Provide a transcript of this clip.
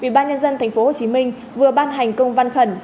ubnd tp hcm vừa ban hành công văn khẩn